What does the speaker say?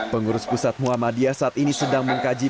pengurus pusat muhammadiyah saat ini sedang mengkaji